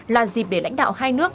là dịp để lãnh đạo hai nước